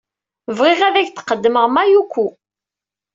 Bɣiɣ ad ak-d-qeddmeɣ Mayuko.